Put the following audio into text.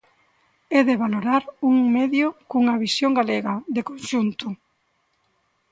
É de valorar un medio cunha visión galega, de conxunto.